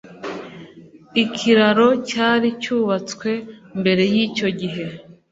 Ikiraro cyari cyubatswe mbere yicyo gihe